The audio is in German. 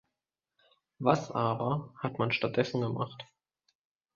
Was aber hat man stattdessen gemacht?